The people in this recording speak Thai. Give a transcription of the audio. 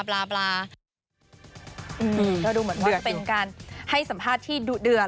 ก็ดูเหมือนว่าจะเป็นการให้สัมภาษณ์ที่ดุเดือด